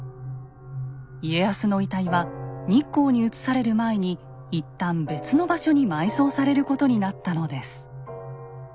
家康の遺体は日光に移される前に一旦別の場所に埋葬されることになったのです。